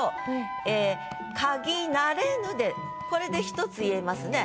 ええ「嗅ぎ慣れぬ」でこれで１つ言えますね。